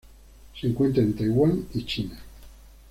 Se encuentra en Taiwán y China.